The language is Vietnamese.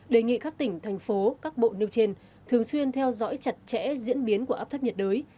đề nghị các tỉnh thành phố các bộ nêu trên thường xuyên theo dõi chặt chẽ diễn biến của áp thấp nhiệt đới